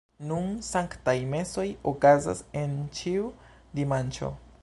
Nun sanktaj mesoj okazas en ĉiu dimanĉo.